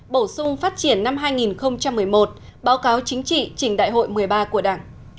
bổ sung phát triển năm hai nghìn một mươi một báo cáo chính trị trình đại hội một mươi ba của đảng